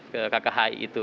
ke kkhi itu